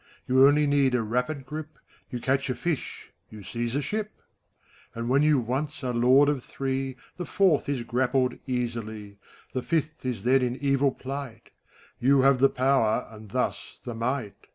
You only need a rapid grip : You catch a fish, you seize a ship ; And when you once are lord of three, The fourth is grappled easily; The fifth is then in evil plight; You have the Power, and thus the ^ight.